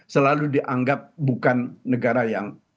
selalu dianggap bukan negara yang